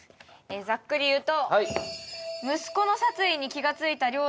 ざっくり言うと。